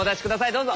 どうぞ。